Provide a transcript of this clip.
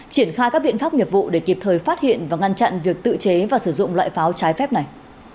triển khai các biện pháp nghiệp vụ để kịp thời phát hiện và ngăn chặn việc tự chế và sử dụng loại pháo trái phép này